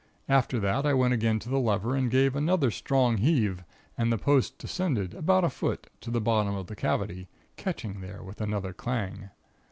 After that I went again to the lever and gave another strong heave, and the post descended about a foot, to the bottom of the cavity, catching there with another clang.